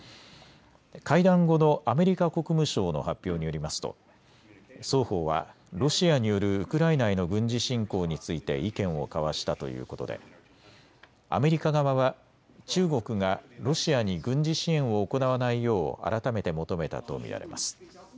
会談後のアメリカ国務省の発表によりますと双方はロシアによるウクライナへの軍事侵攻について意見を交わしたということでアメリカ側は中国がロシアに軍事支援を行わないよう改めて求めたと見られます。